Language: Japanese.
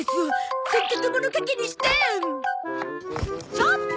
ちょっと！